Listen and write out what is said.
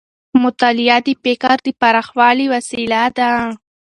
مطالعه د فکر د پراخوالي وسیله ده.